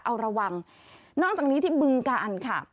เอาระวังนอกจากนี้ที่บึงการค่ะ